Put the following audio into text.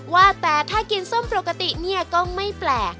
ว่าแต่ถ้ากินส้มปกติเนี่ยก็ไม่แปลก